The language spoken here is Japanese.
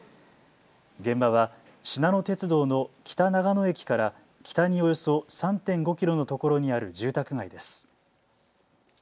現場はしなの鉄道の北長野駅から北におよそ３．５キロのところにある住宅街です。